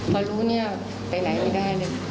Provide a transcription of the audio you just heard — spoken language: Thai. พอรู้เนี่ยไปไหนไม่ได้เลย